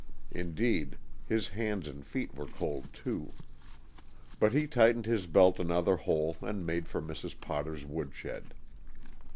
Indeed, his hands and feet were cold too. But he tightened his belt another hole and made for Mrs. Potter's woodshed.